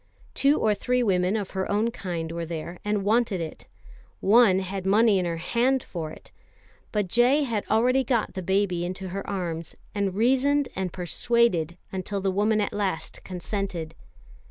Two or three women of her own kind were there and wanted it. One had money in her hand for it. But J. had already got the baby into her arms, and reasoned and persuaded until the woman at last consented.